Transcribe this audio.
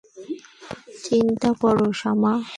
চিন্তা কর, শামা।